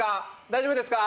大丈夫ですか？